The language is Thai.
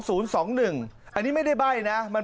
ปลูกมะพร้าน้ำหอมไว้๑๐ต้น